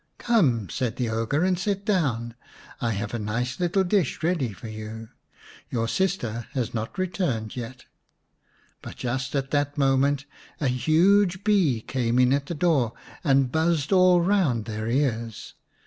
" Come," said the ogre, " and sit down. I have a nice little dish ready for you. Your sister has not returned yet." But just at that moment a huge bee came in at the door and buzzed all round their ears.